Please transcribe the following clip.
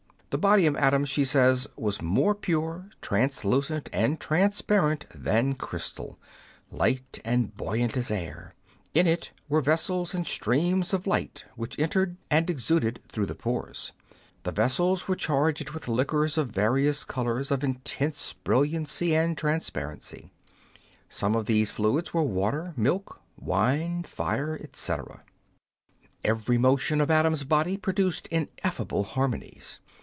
The body of Adam, she says, was more pure, translucent, and transparent than crystal, light and buoyant as air. In it were vessels and streams of light, which entered 103 Curiosities of Olden Times and exuded through the pores. The vessels were charged with liquors of various colours of intense brilliancy and transparency ; some of these fluids were water, milk, wine, fire, etc. Every motion of Adam's body produced ineffable harmonies.